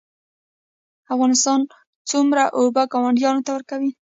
افغانستان څومره اوبه ګاونډیانو ته ورکوي؟